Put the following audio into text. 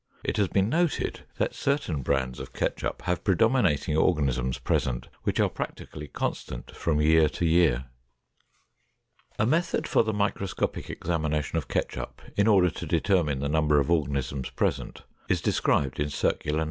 It has been noted that certain brands of ketchup have predominating organisms present which are practically constant from year to year. A method for the microscopic examination of ketchup in order to determine the number of organisms present is described in Circular No.